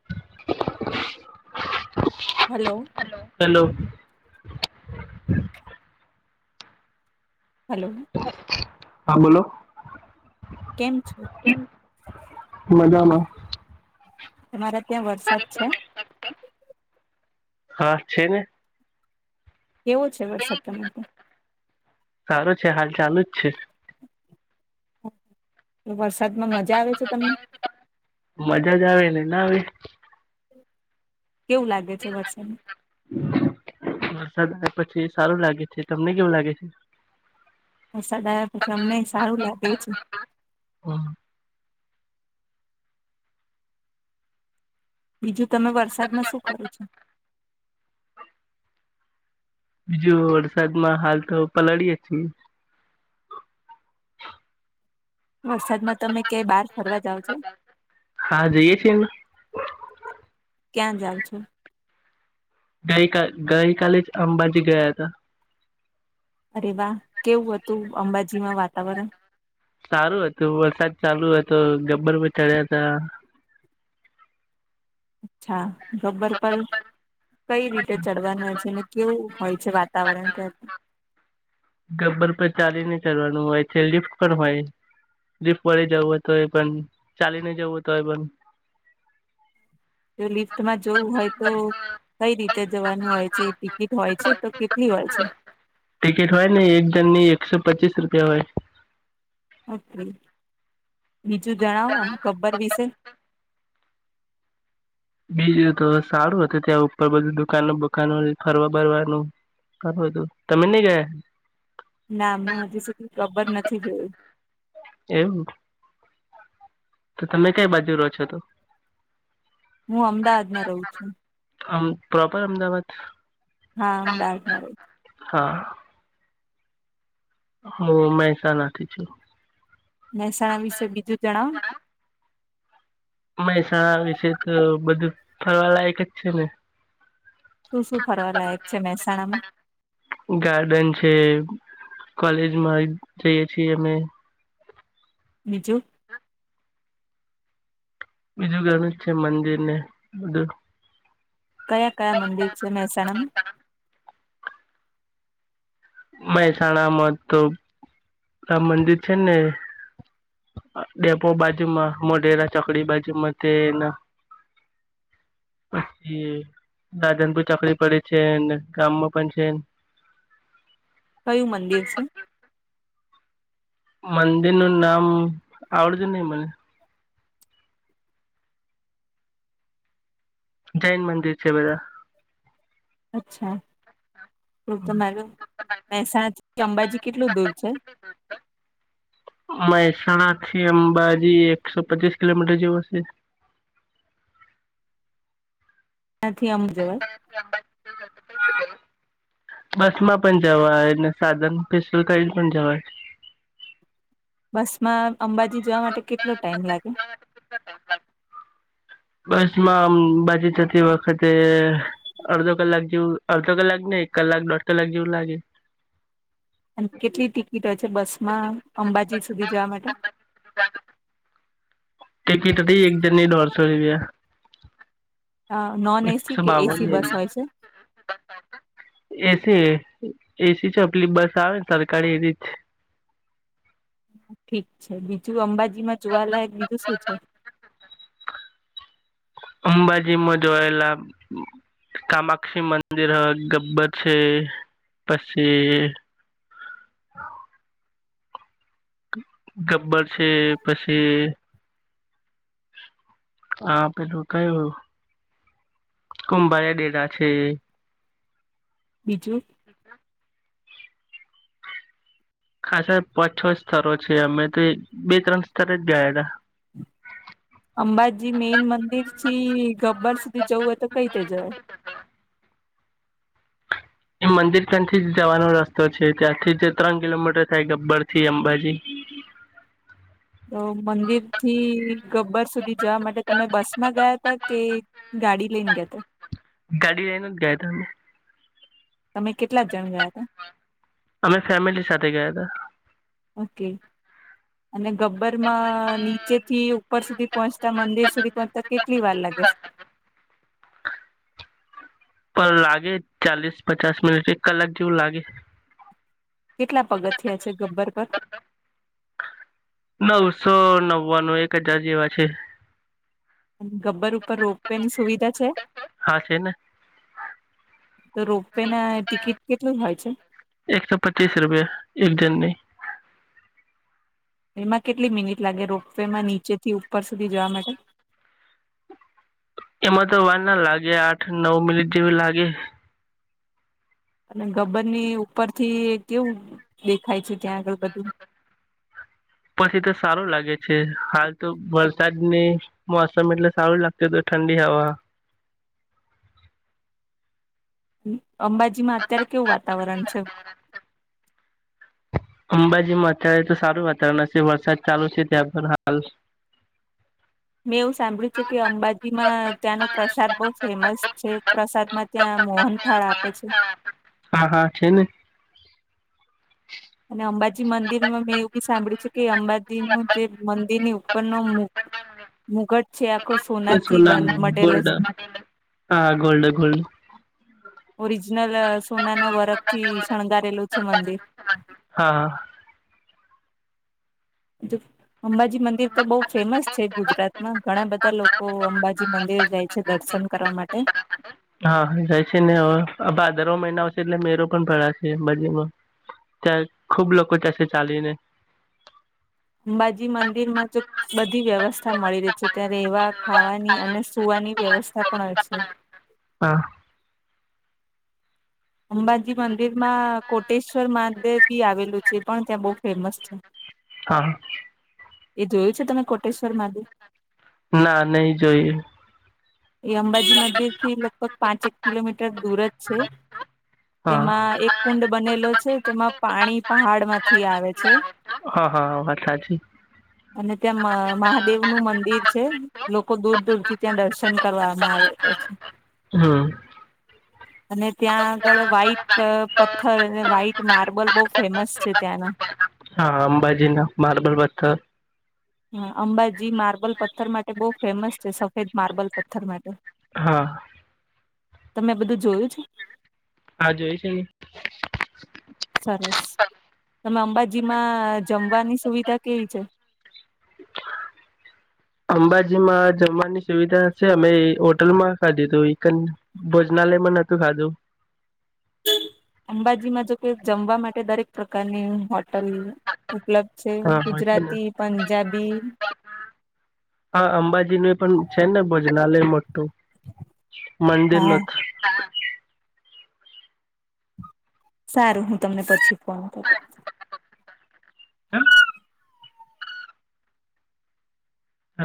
[inaudible] Hello. હ hello. Hello હા બોલો કેમ છો? મજામાં. તમારા ત્યાં વરસાદ છે? હા છે ને કેવો છે વરસાદ તમારે તા? સારો છે હાલ ચાલુ જ છે. વરસાદમાં મજા આવે છે તમને? મજા જ આવેને ના આવે? કેવું લાગે છે વરસાદમાં વરસાદ આવ પછી સારું લાગે છે તમને કેવું લાગે છે? વરસાદ આયા પછી અમને સારું લાગે છે. બીજું તમે વરસાદમાં શું કરું છો? બીજું વરસાદમાં હાલ તો પલાળી છીએ. [inaudible] વરસાદમાં તમે ક્યાય બહાર ફરવા જાઓ છો? હા જઈએ છીએ ને ક્યાં જાવ છો? ગઈકા ગઈકાલે જ અંબાજી ગયા હતા. અરે વાહ, કેવું હતું અંબાજીમાં વાતાવરણ? સારું હતું વરસાદ ચાલુ હતો ગબ્બર પર ચડ્યા તા. અચ્છા ગબ્બર પર કઈ રીતે ચડવાનું હોય છે ને કેવું હોય છે વાતાવરણ ત્યાં? ગબ્બર પર ચાલીને કરવાનું હોય છે લિફ્ટ પણ હોય. લિપ કરી જવું તો એ પણ ચાલીને જવું તો એ પણ. જો લિફ્ટમાં જવું હોય તો. કઈ રીતે જવાનું હોય છે, ટિકિટ હોય છે, તો કેટલી હોય છે? ટિકિટ હોય ને એક જનની એકસો પચીસ રૂપિયા હોય. ઓકે બીજું જણાવો આમ ગબ્બર વિશે. બીજું તો સારું હતું ત્યાં ઉપર બધું દુકાનો બકાનો ફરવા બરવાનું. કરું હતું તમે નહી ગયા? ના મુ હજી સુધી ગબ્બર નથી જોયું. એમ. તો તમે કઈ બાજુ રહો છો તો? હું અમદાવાદમાં રહું છું. આમ પ્રોપર અમદાવાદ. હા અમદાવાદમાં રઉ. હા. હું મહેસાણાથી છું. મહેસાણા વિશે બીજું જણાવો. મહેસાણા વિશે તો બધું ફરવા લાયક જ છે ને. શું શું ફરવા લાયક છે, મહેસાણામાં? ગાર્ડન છે, કોલેજમાં એ જઈએ છીએ અમે. બીજું. બીજું ઘણું જ છે મંદિરને બધું. કયા કયા મંદિર છે મહેસાણા માં? મહેસાણામાં તો રામ મંદિર છે ને ડેપો બાજુમાં મોઢેરા ચોકડી બાજુમાં તેના જે રાધનપુર ચોકડી પરે છે ને અંદર ગામમાં પણ છે. કયું મંદિર છે? મંદિર નું નામ આવડતું નહી મને. જૈન મંદિર છે બધા. અચ્છા તો તમાર મેહેસાણાથી અંબાજી કેટલું દૂર છે? [inaudible] મેહેસાણાથી અંબાજી એકસો પચીસ કિલોમીટર જેવો સે. ક્યાંથી આમ જવાય? અંબાજી જવું હોય તો ક્યાંથી જવાય? બસમાં પણ જવાય ને સાધન પેસલ કરીન પણ જવાય. બસમાં અંબાજી જવા માટે કેટલો ટાઈમ લાગે? બસમાં અંબાજી જતી વખતે અડધો કલાક જેવું અડધો કલાક નઈ કલાક દોઢ કલાક જેવું લાગે. અન કેટલી ટિકિટ હોય છે બસમાં અંબાજી સુધી જવા માટે? ટિકિટ હતી એક જણની દોઢસો રૂપિયા. આ નોનએસી એકસો કે એસી બાવન બસ હોય છે? એસી, એસી એસી સ પેલી બસ આવેન સરકારી એરી જ. ઠીક છે, બીજું અંબાજીમાં જોવા લાયક બીજું શું છે? અંબાજીમાં જોયેલા કામાક્ષી મંદિર હ, ગબ્બર છે પસી ગબ્બર સે પસી આ પેલું કયું કુંભારયા ડેરા છે. બીજું? ખાાસ પાચ છો સ્તરો છે અમે તો એ બે ત્રણ સ્તરે જ ગયા તા. અંબાજી મેઈન મંદિરથી ગબ્બર સુધી જવું હોય તો કઈ તે જવાય? એ મંદિર કણથી જ જવાનો રસ્તો છે ત્યાંથી તે ત્રણ કિલોમીટર થાય ગબ્બર થી અંબાજી. તો મંદિરથી ગબ્બર સુધી જવા માટે તમે બસમાં ગયા તા કે ગાડી લઈન ગયાતા? ગાડી લઈન જ ગયાતા અમે. તમે કેટલા જણ ગયાતા? અમે ફેમિલી સાથે ગયાતા. ઓકે. અને ગબ્બરમાં નીચેથી ઉપર સુધી પહોંચતા મંદિર સુધી પહોંચતા કેટલી વાર લાગે સે? પલ લાગે ચાલીસ પચાસ મિનિટ એક કલાક જેવું લાગે. કેટલા પગથયા છે ગબ્બર પર? નવસો નવ્વાનું એક હજાર જેવા છે. અને ગબ્બર ઉપર રોપ- વે ની સુવિધા છે. હા છે ને તો રોપવેના ટિકિટ કેટલું હોય છે. એકસો પચીસ રૂપિયા એક જનની. એમાં કેટલી મિનિટ લાગે રોપ -વે માં નીચે થી ઉપર સુધી જવા માટે, એમાં તો વારના લાગે આઠ નવ મિનિટ જેવી લાગે, અને ગબ્બરની ઉપર થી કેવું દેખાય છે, ત્યાં આગળ બધું પછીતો સારું લાગે છે, હાલતો વરસાદની મોસમ એટલે સારું લાગતીતો ઠંડી હવા. અંબાજીમાં અત્યારે કેવું વાતાવરણ છે. અંબાજીમાં અતો સારું વાતાવરણ હશે વરસાદ ચાલુ છે, ત્યાં હાલ મેં એવું સાંભળ્યું છે, કે અંબાજીમાં ત્યાંનો પ્રસાદ બહુ ફેમસ છે, પ્રસાદમાં ત્યાં મોહનથાળ આપે છે. હા, હા છે ને અને અંબાજી મંદિરમાં મેં એવું સાંભળ્યું છે, કે અંબાજીનું જે મંદિર. નો મુ મુઘટ છે, આખો એ સોનાથી બને સોના મેઢેલો ગોલ્ડ છે. હા, ગોલ્ડ ગોલ્ડ. ઓરિજિનલ સોનાના વરકથી શણગારેલું છે મંદિર. હા. જોવ. અંબાજી મંદિરતો બહુ ફેમસ છે ગુજરાતમાં ઘણા બધા લોકો અંબાજી મંદિર જાય છે. છે દર્શન કરવા માટે. હા જાય છે, ને હવે ભાદરવો મહિના આવશે એટલે મેરો પણ ભરાશે બજારમાં. ત્યાં ખુબ લોકો જસે ચાલીને. અંબાજી મંદિરમાં જો. બધી વ્યવસ્થા મળી રહી છે, ત્યાં રહેવા ખાવાની અને સુવાની વ્યવસ્થા પણ હોય છે. હા. અંબાજી મંદિરમાં કોટેશ્વર મહાદેવજી આવેલું છે, પણ ત્યાં બહુ ફેમસ છે. હા. એ જોયું છે, તમે કોટેશ્વર મહાદેવ. ના નહીં જોઇયું. એ અંબાજી મંદિરથી લગભગ પાંચ એક કિલોમીટર દૂર જ છે. હા. તેમાં એક કુંડ બનેલો છે, તેમાં પાણી પહાડમાંથી આવે છે. હા હા વાત સાચી. અને ત્યાં મહા મહાદેવનું મંદિર છે, લોકો દૂર-દૂરથી ત્યાં દર્શન. કરવામાં આવે. હમ્મ. અને ત્યાં આગળ વ્હાઈટ પથ્થર અને વ્હાઈટ માર્બલ બહુ ફેમસ છે ત્યાંના. અંબાજીના માર્બલ પથ્થર, હમ્મ અંબાજી માર્બલ પથ્થર માટે બહુ ફેમસ છે, સફેદ માર્બલ પથ્થર માટે. હા. તમે બધું જોયું છે. હા જોયુ છેને. સરસ તમે અંબાજીમાં જમવાની સુવિધા કેવી છે. અંબાજીમાં જમવાની સુવિધા હશે અમે હોટલમાં ખાધી હતું. ભોજનાલયમાં નતું ખાધું. અંબાજીમાં જોકે જમવા માટે દરેક પ્રકારની હોટલ ઉપલબ્ધ છે હા હોય છે ને ગુજરાતી, પંજાબી. હા અંબાજીનું એ પણ છે, ને ભોજનાલય મોટું મંદિર નુ. હા હા. સારું હું તમને પછી ફોન કરું.